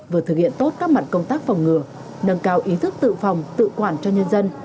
vừa thực hiện tốt các mặt công tác phòng ngừa nâng cao ý thức tự phòng tự quản cho nhân dân